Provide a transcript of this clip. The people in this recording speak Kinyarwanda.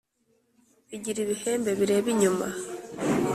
Igira ibihembe bireba inyuma